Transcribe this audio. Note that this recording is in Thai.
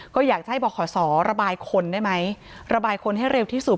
ก็อยากจะให้บอกขอสอระบายคนได้ไหมระบายคนให้เร็วที่สุด